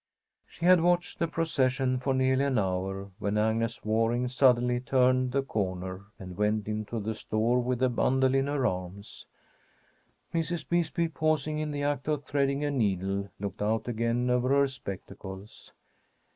She had watched the procession for nearly an hour, when Agnes Waring suddenly turned the corner, and went into the store with a bundle in her arms. Mrs. Bisbee, pausing in the act of threading a needle, looked out again over her spectacles.